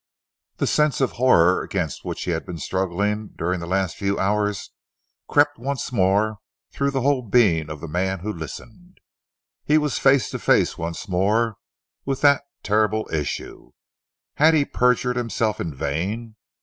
The sense of horror against which he had been struggling during the last few hours, crept once more through the whole being of the man who listened. He was face to face once more with that terrible issue. Had he perjured himself in vain?